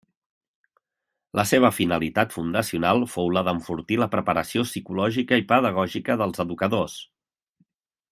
La seva finalitat fundacional fou la d'enfortir la preparació psicològica i pedagògica dels educadors.